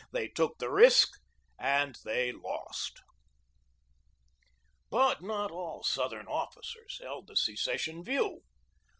They took the risk and they lost. 44 GEORGE DEWEY But not all Southern officers held the secession view.